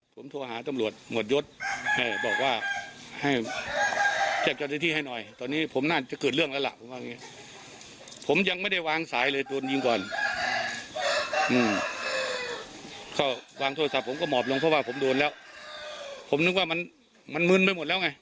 ผมนึกว่ามันมื้นไปหมดแล้วไง